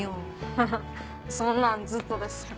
ハハそんなんずっとですよ。